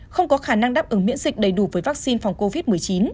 không có khả năng đáp ứng miễn dịch đầy đủ với vaccine phòng covid một mươi chín